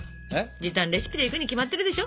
時短レシピでいくに決まってるでしょ。